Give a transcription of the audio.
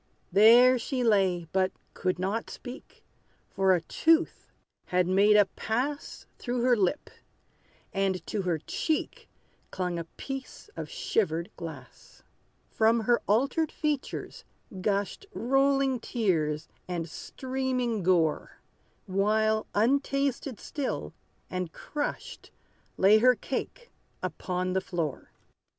There she lay, but could not speak; For a tooth had made a pass Through her lip; and to her cheek Clung a piece of shivered glass. From her altered features gushed Rolling tears, and streaming gore; While, untasted still, and crushed, Lay her cake upon the floor.